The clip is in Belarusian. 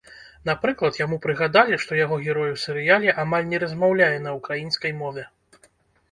Напрыклад, яму прыгадалі, што яго герой у серыяле амаль не размаўляе на ўкраінскай мове.